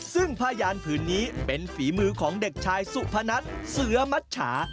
ซึ่งพยานผืนนี้เป็นฝีมือของเด็กชายสุพนัทเสือมัชชา